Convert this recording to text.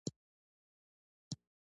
که مو دا غوټه په خیر خلاصه شوه؛ ښه به وي.